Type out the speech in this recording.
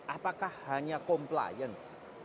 apakah hanya compliance